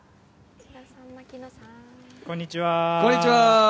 こんにちは！